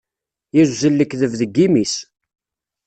Yuzzel lekdeb deg yimi-s.